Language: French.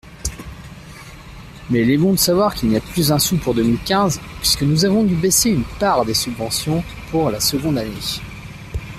Mais il est bon de savoir qu’il n’y a plus un sou pour deux mille quinze puisque nous avons dû baisser une part des subventions pour la seconde année.